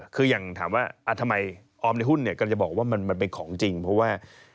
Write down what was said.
คืออย่างถามว่าทำไมออมในหุ้นเนี่ยก็จะบอกว่ามันเป็นของจริงเพราะว่า